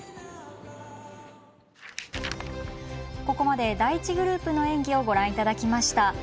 ここまで第１グループの演技をご覧いただきました。